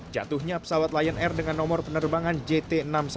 jatuhnya pesawat lion air dengan nomor penerbangan jt enam ratus sepuluh